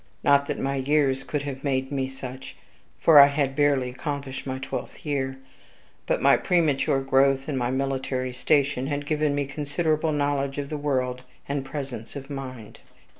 Not that my years could have made me such, for I had barely accomplished my twelfth year; but my premature growth, and my military station, had given me considerable knowledge of the world and presence of mind.